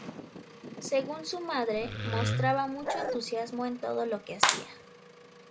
Según su madre, mostraba mucho entusiasmo en todo lo que hacía.